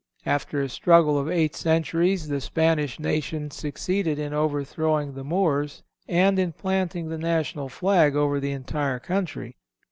After a struggle of eight centuries the Spanish nation succeeded in overthrowing the Moors, and in planting the national flag over the entire country.